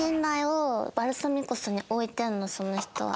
その人は。